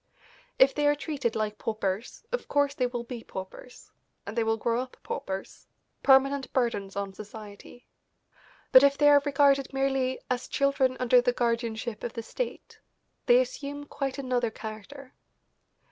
If they are treated like paupers of course they will be paupers, and they will grow up paupers, permanent burdens on society; but if they are regarded merely as children under the guardianship of the state, they assume quite another character.